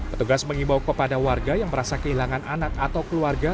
petugas mengimbau kepada warga yang merasa kehilangan anak atau keluarga